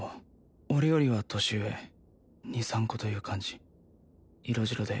俺よりは年上２３こという感じ色白で